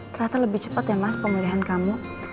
ternyata lebih cepat ya mas pemulihan kamu